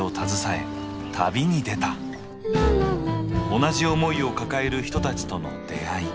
同じ思いを抱える人たちとの出会い。